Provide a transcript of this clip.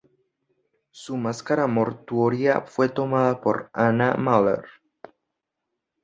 Su máscara mortuoria fue tomada por Anna Mahler.